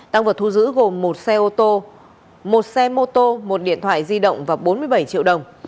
tăng vật thu giữ gồm một xe ô tô một xe mô tô một điện thoại di động và bốn mươi bảy triệu đồng